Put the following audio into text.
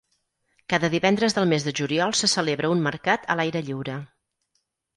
Cada divendres del mes de juliol se celebra un mercat a l'aire lliure.